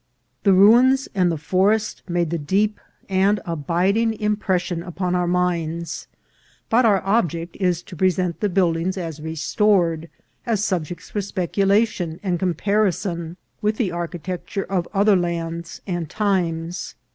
The ruins and the forest made the deep and abiding impression upon our minds ; but our object is to present the build ing as restored, as subjects for speculation and com parison with the architecture of other lands and times.